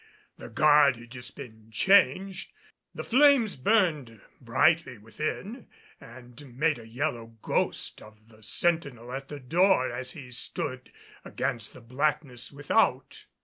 The guard had just been changed. The flames burned brightly within and made a yellow ghost of the sentinel at the door as he stood against the blackness without.